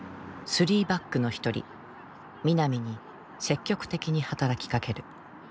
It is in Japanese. ３バックの一人南に積極的に働きかける。